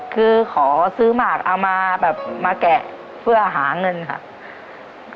คือขอซื้อหมากเอามาแบบมาแกะเพื่อหาเงินค่ะ